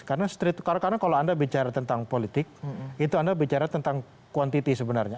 karena street karena kalau anda bicara tentang politik itu anda bicara tentang kuantiti sebenarnya